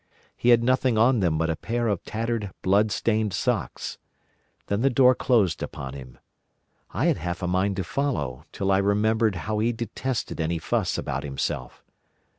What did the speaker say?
He had nothing on them but a pair of tattered, blood stained socks. Then the door closed upon him. I had half a mind to follow, till I remembered how he detested any fuss about himself.